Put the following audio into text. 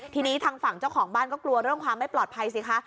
ทีนี้ทางฝั่งเจ้าของบ้านก็กลัวเรื่องความไม่ปลอดภัยสิคะ